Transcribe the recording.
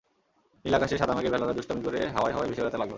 নীল আকাশে সাদা মেঘের ভেলারা দুষ্টামি করে হাওয়ায় হাওয়ায় ভেসে বেড়াতে লাগল।